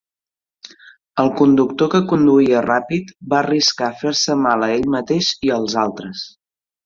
El conductor que conduïa ràpid va arriscar fer-se mal a ell mateix i a altres.